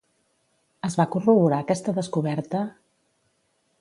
Es va corroborar aquesta descoberta?